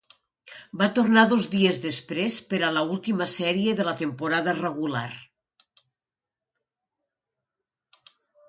Va tornar dos dies després per a l'última sèrie de la temporada regular.